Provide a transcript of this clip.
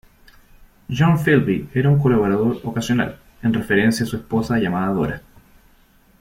John Philby un colaborador ocasional, en referencia a su esposa llamada Dora.